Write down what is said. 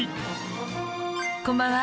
こんばんは。